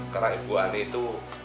karena ibu ani itu